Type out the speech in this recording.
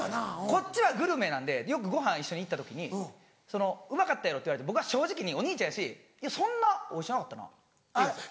こっちはグルメなんでよくごはん一緒に行った時に「うまかったやろ」って言われて僕は正直にお兄ちゃんやし「いやそんなおいしなかったな」って言うんですよ。